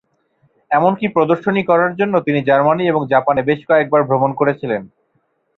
এমনকি প্রদর্শনী করার জন্য তিনি জার্মানি এবং জাপানে বেশ কয়েকবার ভ্রমণ করেছিলেন।